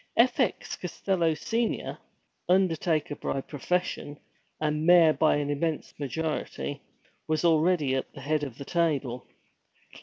F. X. Costello, Senior, undertaker by profession, and mayor by an immense majority, was already at the head of the table.